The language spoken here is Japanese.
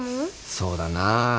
そうだなあ。